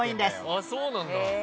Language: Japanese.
あっそうなんだ。